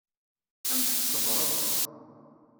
Amek tṣebbreḍ?